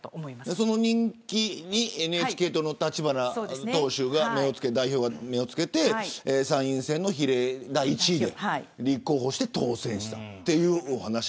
その人気にＮＨＫ党の立花党首が目をつけて参院選の比例第１位で立候補して当選した。